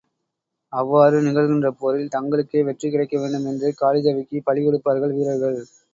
அவ்வாறு நிகழ்கின்ற போரில், தங்களுக்கே வெற்றி கிடைக்க வேண்டும் என்று காளிதேவிக்குப் பலிகொடுப்பார்கள் வீரர்கள்.